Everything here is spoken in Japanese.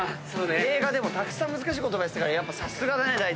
映画でもたくさん難しい言葉言ってたからさすがだね。